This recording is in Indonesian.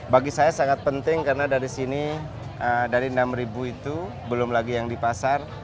bagi saya sangat penting karena dari sini dari enam itu belum lagi yang di pasar